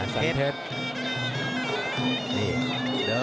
ใช่สันเพชร